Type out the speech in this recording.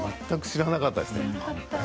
知らなかったですね。